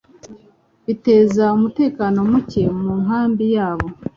biteza umutekano muke mu nkambi yabo.